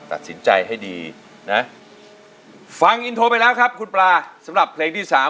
ตัดสินใจให้ดีนะฟังอินโทรไปแล้วครับคุณปลาสำหรับเพลงที่สาม